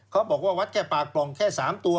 เขาบอกว่าวัดแค่ปากปล่องแค่๓ตัว